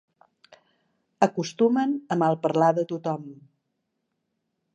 Acostumen a malparlar de tothom.